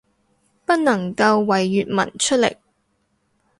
不能夠為粵文出力